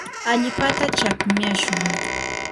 allpata chakmyashun.